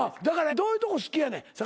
どういうとこ好きやねん。